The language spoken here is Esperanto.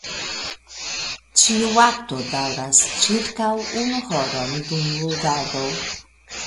Ĉiu akto daŭras ĉirkaŭ unu horon dum ludado.